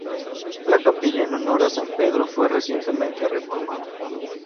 La capilla en honor a San Pedro fue recientemente reformada.